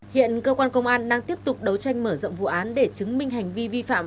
hiện cơ quan công an đang tiếp tục đấu tranh mở rộng vụ án để chứng minh hành vi vi phạm